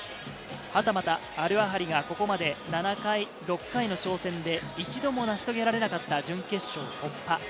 はたまたアルアハリが、ここまで６回の挑戦で１度も成し遂げなかった準決勝を突破。